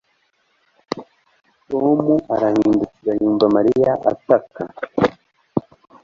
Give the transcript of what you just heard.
Tom arahindukira yumva Mariya ataka